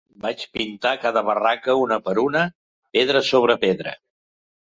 Vaig pintar cada barraca una per una, pedra sobre pedra.